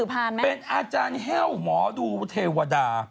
เป็นอาจารย์แห้วหมอดูเทวดา